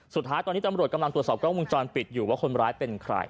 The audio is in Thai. สุดท้ายตอนนี้ตำรวจกำลังตรวจสอบกล้องวงจรปิดอยู่ว่าคนร้ายเป็นใคร